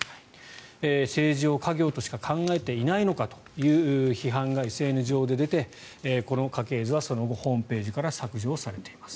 政治を家業としてしか考えていないのかとＳＮＳ上で出て、この家系図はその後、ホームページから削除をされています。